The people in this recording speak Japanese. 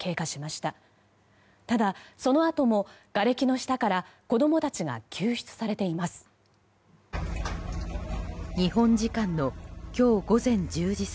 ただ、そのあともがれきの下から子供たちが救出されています。